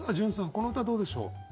この歌どうでしょう？